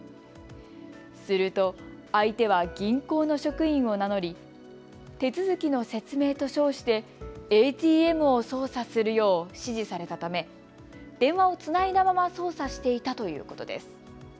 すると相手は銀行の職員を名乗り手続きの説明と称してＡＴＭを操作するよう指示されたため電話をつないだまま操作していたということです。